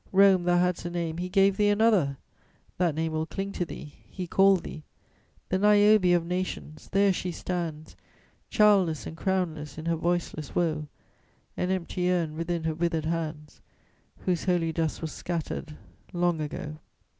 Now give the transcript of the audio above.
Rome, thou hadst a name, he gave thee another; that name will cling to thee; he called thee: "The Niobe of nations! there she stands, Childless and crownless, in her voiceless woe; An empty urn within her wither'd hands, Whose holy dust was scatter'd long ago."